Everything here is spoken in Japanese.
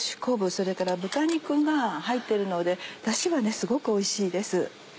それから豚肉が入ってるのでダシはすごくおいしいです。